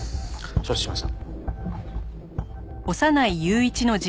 承知しました。